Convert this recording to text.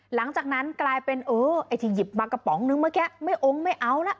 หลังจากนั้นกลายเป็นเออไอ้ที่หยิบมากระป๋องนึงเมื่อกี้ไม่องค์ไม่เอาละ